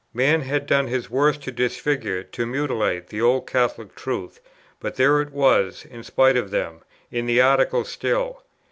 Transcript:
Man had done his worst to disfigure, to mutilate, the old Catholic Truth; but there it was, in spite of them, in the Articles still.